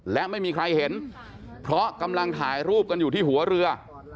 และไม่มีใครเห็นเพราะกำลังถ่ายรูปกันอยู่ที่หัวเรือ